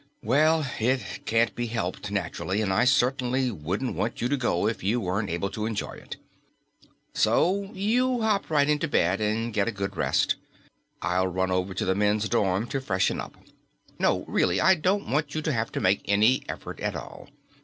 "Well, it can't be helped naturally, and I certainly wouldn't want you to go if you weren't able to enjoy it. So you hop right into bed and get a good rest. I'll run over to the men's dorm to freshen up. No, really, I don't want you to have to make any effort at all.